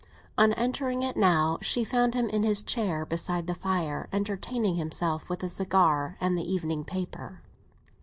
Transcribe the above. On entering it now she found him in his chair beside the fire, entertaining himself with a cigar and the evening paper.